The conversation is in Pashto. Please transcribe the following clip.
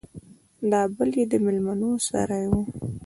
دا بل يې د ميلمنو سراى و.